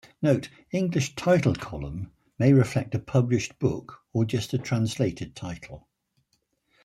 Note: English title column may reflect a published book, or just a translated title.